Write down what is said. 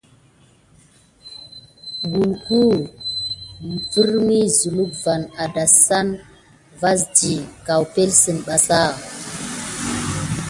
Kihule von adaba kam ɗoŋho tät adanka wuyarko.